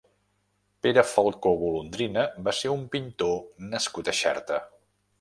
Pere Falcó Golondrina va ser un pintor nascut a Xerta.